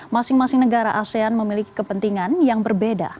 masing masing negara asean memiliki kepentingan yang berbeda